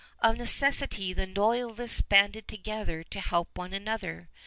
Of necessity the Loyalists banded together to help one another.